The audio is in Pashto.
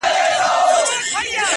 زندان سو انسانانو ته دنیا په کرنتین کي؛